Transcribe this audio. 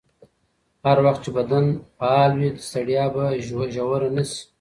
هر وخت چې بدن فعال وي، ستړیا به ژوره نه شي.